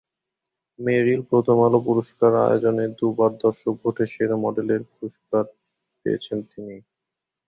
মেরিল–প্রথম আলো পুরস্কার আয়োজনে দুবার দর্শকভোটে সেরা মডেলের পুরস্কার পেয়েছেন তিনি।